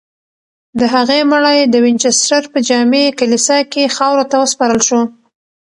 د هغې مړی د وینچسټر په جامع کلیسا کې خاورو ته وسپارل شو.